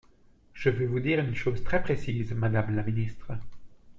Je veux vous dire une chose très précise, madame la ministre.